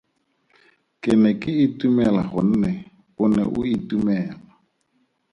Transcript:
Ke ne ke itumela gonne o ne o itumela.